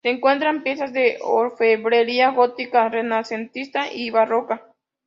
Se encuentran piezas de orfebrería gótica, renacentista y barroca.